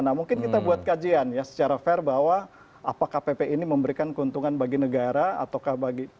nah mungkin kita buat kajian ya secara fair bahwa apakah pp ini memberikan keuntungan bagi negara ataukah bagi